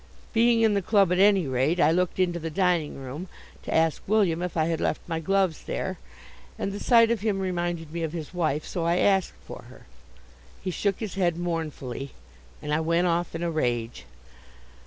Being in the club at any rate, I looked into the dining room to ask William if I had left my gloves there, and the sight of him reminded me of his wife, so I asked for her. He shook his head mournfully, and I went off in a rage.